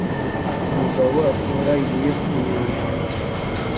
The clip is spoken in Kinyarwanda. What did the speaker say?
Umugabo atora ibuye ku nyanja